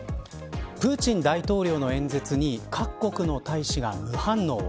プーチン大統領の演説に各国の大使が無反応。